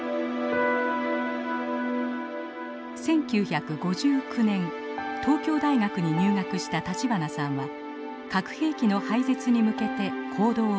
１９５９年東京大学に入学した立花さんは核兵器の廃絶に向けて行動を開始。